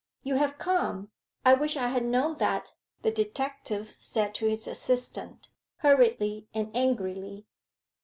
'You have come I wish I had known that,' the detective said to his assistant, hurriedly and angrily.